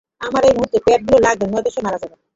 আমার এই মুহুর্তে প্যাডগুলো লাগবে, - নয়তো সে মারা যাবে।